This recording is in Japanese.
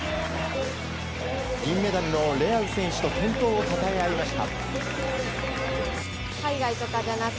銀メダルのレアウ選手と健闘をたたえ合いました。